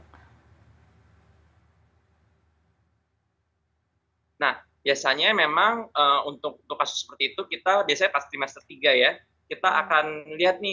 hai nah biasanya memang untuk tugas seperti itu kita bisa pasti master tiga ya kita akan melihat nih